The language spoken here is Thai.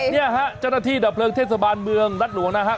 เนี่ยฮะเจ้าหน้าที่ดับเพลิงเทศบาลเมืองรัฐหลวงนะฮะ